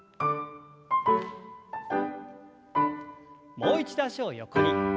もう一度脚を横に。